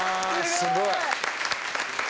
すごい！